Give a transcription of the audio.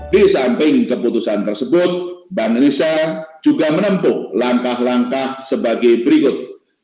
di samping keputusan tersebut bank indonesia juga menempuh langkah langkah sebagai berikut